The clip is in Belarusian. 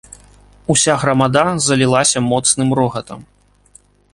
Уся грамада залілася моцным рогатам.